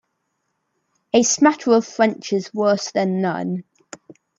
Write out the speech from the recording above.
A smatter of French is worse than none.